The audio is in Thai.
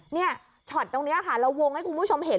ช็อตตรงนี้ค่ะเราวงให้คุณผู้ชมเห็น